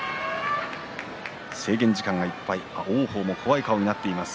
制限時間がいっぱい王鵬も怖い顔になっています。